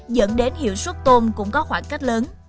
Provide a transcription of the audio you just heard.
dẫn đến hiệu suất tôm cũng có khoảng cách lớn